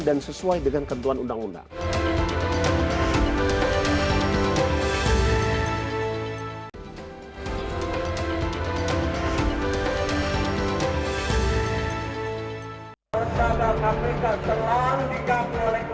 dan sesuai dengan kebutuhan undang undang